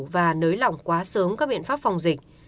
và nới lỏng quá sớm các biện pháp phòng dịch